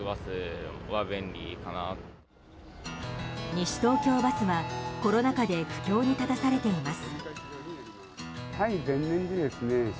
西東京バスはコロナ禍で苦境に立たされています。